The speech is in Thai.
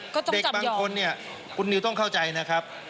สมมุติเด็กบางคนก็ต้องเข้าใจนะครับ